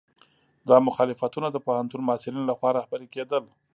دا مخالفتونه د پوهنتون محصلینو لخوا رهبري کېدل.